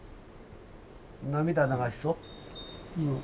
涙流しそう？